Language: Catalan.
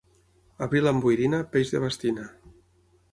Abril amb boirina, peix de bastina.